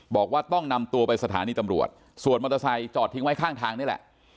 บอกว่าต้องนำตัวไปสถานีตำรวจส่วนมอเตอร์ไซค์จอดทิ้งไว้ข้างทางนี่แหละ